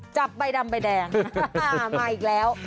จับใบดำใบแดงมาอีกแล้ว